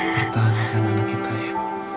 pertahanan kanan kita ya